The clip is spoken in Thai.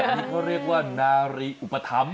แบบนี้เขาเรียกว่านาริอุปธรรม